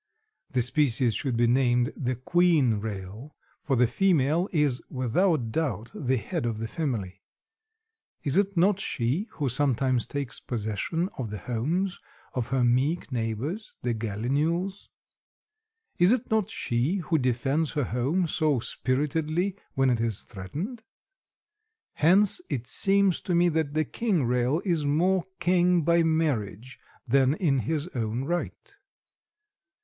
The species should be named the 'queen rail,' for the female is without doubt the head of the family. Is it not she who sometimes takes possession of the homes of her meek neighbors, the gallinules? Is it not she who defends her home so spiritedly when it is threatened? Hence it seems to me that the King Rail is more king by marriage than in his own right.